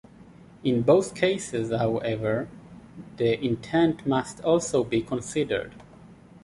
In both cases, however, the intent must also be considered.